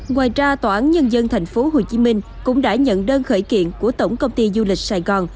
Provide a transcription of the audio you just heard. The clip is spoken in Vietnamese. ngoài ra tòa án nhân dân tp hcm cũng đã nhận đơn khởi kiện của tổng công ty du lịch sài gòn